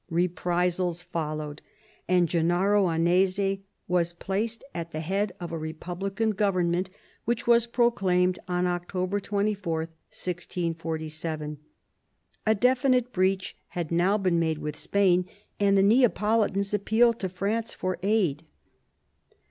Reprisals followed, and Gennaro Annesi was placed at the head of a republican government which was proclaimed on October 24, 1647. A definite breach had now been made with Spain, and the Neapolitans appealed to France for aid.